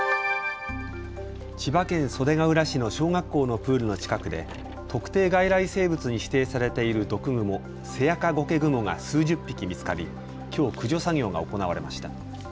千葉県袖ケ浦市の小学校のプールの近くで特定外来生物に指定されている毒グモ、セアカゴケグモが数十匹見つかりきょう駆除作業が行われました。